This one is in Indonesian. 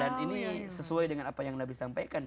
dan ini sesuai dengan apa yang nabi sampaikan